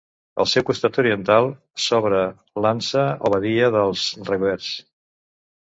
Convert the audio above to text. Al seu costat oriental s'obre l'Ansa o Badia dels Reguers.